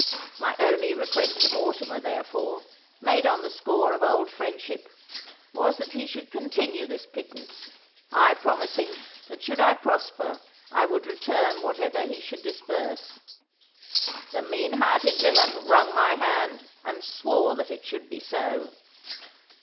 My only request to Mortimer, therefore, made on the score of old friendship, was that he should continue this pittance, I promising that should I prosper I would return whatever he should disburse. The mean hearted villain wrung my hand and swore that it should be so.